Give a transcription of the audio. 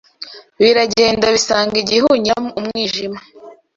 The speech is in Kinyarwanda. Biragenda bisanga igihunyira Umwijima